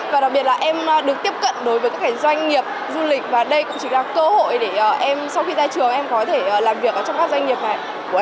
và đặc biệt là em được tiếp cận đối với các doanh nghiệp du lịch và đây cũng chỉ là cơ hội để em sau khi ra trường em có thể làm việc trong các doanh nghiệp này